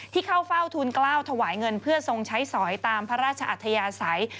เข้าเฝ้าทุนกล้าวถวายเงินเพื่อทรงใช้สอยตามพระราชอัธยาศัย